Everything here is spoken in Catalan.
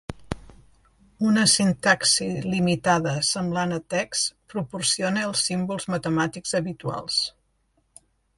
Una sintaxi limitada semblant a TeX proporciona els símbols matemàtics habituals.